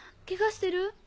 ケガしてる？